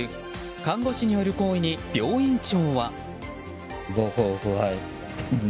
看護師による行為に病院長は。